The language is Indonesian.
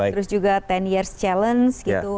terus juga sepuluh years challenge gitu